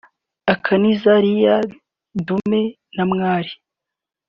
akanizalia dume na mwali